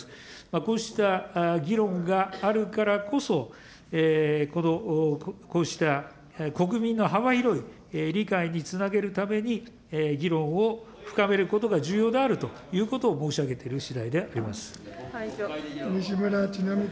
こうした議論があるからこそ、こうした国民の幅広い理解につなげるために、議論を深めることが重要であるということを申し上げているしだい西村智奈美君。